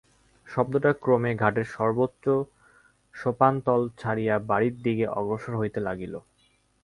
শব্দটা ক্রমে ঘাটের সর্বোচ্চ সোপানতল ছাড়িয়া বাড়ির দিকে অগ্রসর হইতে লাগিল।